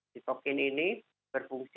sitokin ini berfungsi